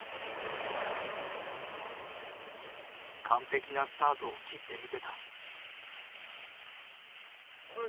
完璧なスタートを切ってみせた。